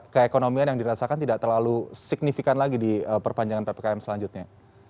keekonomian yang dirasakan tidak terlalu signifikan lagi di perpanjangan ppkm selanjutnya